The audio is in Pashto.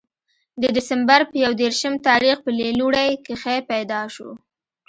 د دسمبر پۀ يو ديرشم تاريخ پۀ ليلوڼۍ کښې پېداشو